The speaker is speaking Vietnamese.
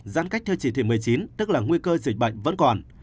giãn cách theo chỉ thị một mươi chín tức là nguy cơ dịch bệnh vẫn còn